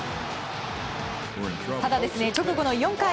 ただ、直後の４回。